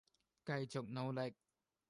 繼續努力